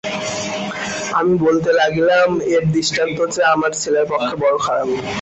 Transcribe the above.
আমি বলিতে লাগিলাম, এর দৃষ্টান্ত যে আমার ছেলের পক্ষে বড়ো খারাপ।